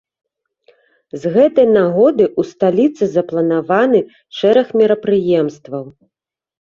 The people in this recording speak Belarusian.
З гэтай нагоды ў сталіцы запланаваны шэраг мерапрыемстваў.